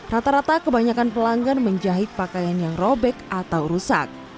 rata rata kebanyakan pelanggan menjahit pakaian yang robek atau rusak